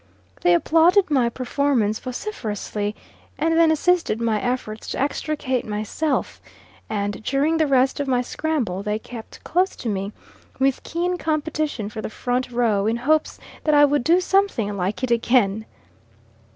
They applauded my performance vociferously, and then assisted my efforts to extricate myself, and during the rest of my scramble they kept close to me, with keen competition for the front row, in hopes that I would do something like it again.